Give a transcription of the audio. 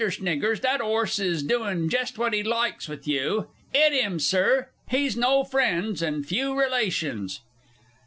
Sniggers, that 'orse is doin' jest what he likes with you. 'It 'im, Sir; he's no friends and few relations!